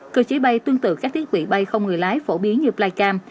cơ chế bay tương tự các thiết bị bay không người lái phổ biến như flycam